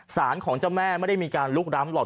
สารของเจ้าแม่ไม่ได้มีการลุกล้ำหรอก